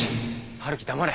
陽樹黙れ。